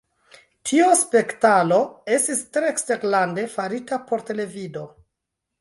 Tio spektalo estis tre eksterlande farita pro televido.